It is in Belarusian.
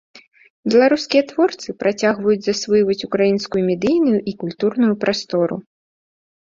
Беларускія творцы працягваюць засвойваць украінскую медыйную і культурную прастору.